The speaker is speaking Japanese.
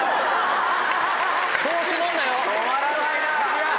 止まらないな。